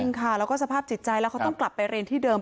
ค่ะแล้วก็สภาพจิตใจแล้วเขาต้องกลับไปเรียนที่เดิม